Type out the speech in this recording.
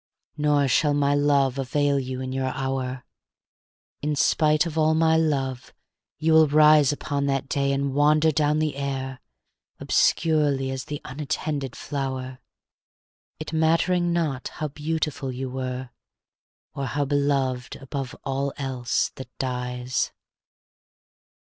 Nor shall my love avail you in your hour. In spite of all my love, you will arise Upon that day and wander down the air Obscurely as the unattended flower, It mattering not how beautiful you were, Or how beloved above all else that dies.